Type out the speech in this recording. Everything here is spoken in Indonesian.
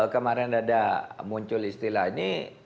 kemarin ada muncul istilah ini